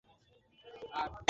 ধীরে ধীরে শ্বাস নাও।